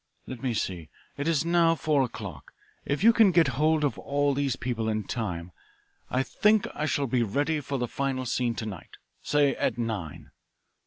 "Let me see. It is now four o'clock. If you can get hold of all these people in time I think I shall be ready for the final scene to night say, at nine.